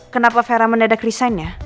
kenapa vera mendadak resignnya